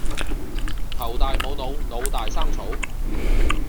頭大冇腦，腦大生草